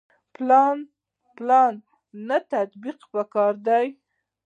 پلان نه تطبیق پکار دی